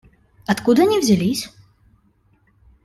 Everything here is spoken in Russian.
Откуда они взялись?